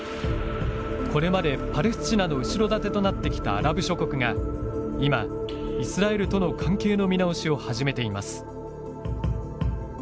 これまでパレスチナの後ろ盾となってきたアラブ諸国が今、イスラエルとの関係の見直しを始めています。